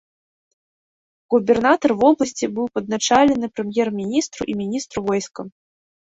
Губернатар вобласці быў падначалены прэм'ер-міністру і міністру войска.